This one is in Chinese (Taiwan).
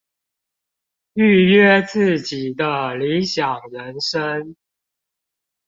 預約自己的理想人生